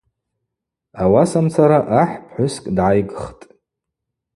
Ауасамцара ахӏ пхӏвыскӏ дгӏайгхтӏ.